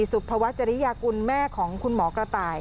สุภวัชริยากุลแม่ของคุณหมอกระต่าย